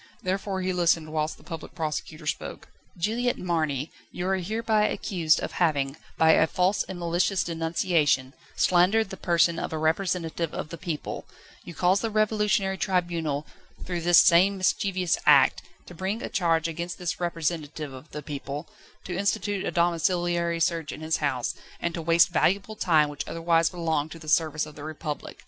Therefore he listened whilst the Public Prosecutor spoke. "Juliette Marny, you are hereby accused of having, by a false and malicious denunciation, slandered the person of a representative of the people; you caused the Revolutionary Tribunal, through this same mischievous act, to bring a charge against this representative of the people, to institute a domiciliary search in his house, and to waste valuable time, which otherwise belonged to the service of the Republic.